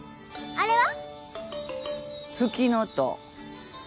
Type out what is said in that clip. あれは？